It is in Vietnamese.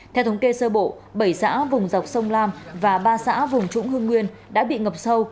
theo thống kê sơ bộ bảy xã vùng dọc sông lam và ba xã vùng trũng hương nguyên đã bị ngập sâu